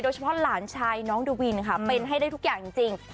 หลานชายน้องดวินค่ะเป็นให้ได้ทุกอย่างจริง